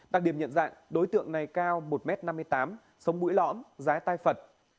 đặc điểm nhận dạng đối tượng này cao một m năm mươi tám sống mũi lõm rái tai phật